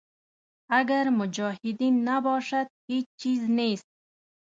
اګر مجاهدین نباشد هېچ چیز نیست.